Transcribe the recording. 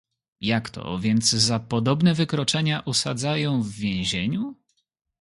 "Jakto, więc za podobne wykroczenia osadzają w więzieniu?"